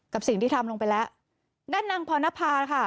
กับสิ่งที่ทำลงไปแล้วด้านนางพรณภาค่ะ